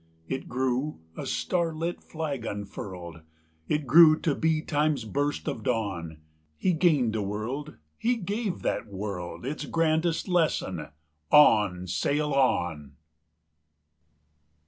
It grew, a starlit flag unfurled! It grew to be Time's burst of dawn. He gained a world; he gave that world Its grandest lesson: "On! sail on!"